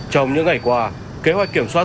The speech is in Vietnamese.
trong những ngày qua kế hoạch kiểm soát